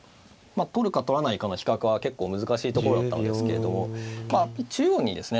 取るか取らないかの比較は結構難しいところだったのですけれども中央にですね